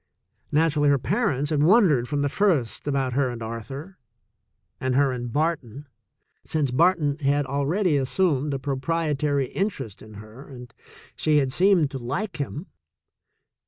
Naturally, her parents had wondered from the first about her and Arthur, and her and Barton, since Bar ton had already assumed a proprietary interest in her and she had seemed to like him.